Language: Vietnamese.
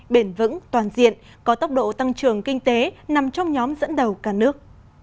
bền vững toàn diện có tốc độ tăng trưởng kinh tế nằm trong nhóm dẫn đầu cả nước